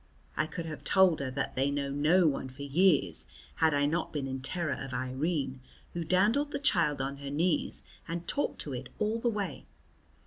I could have told her that they know no one for years had I not been in terror of Irene, who dandled the child on her knees and talked to it all the way.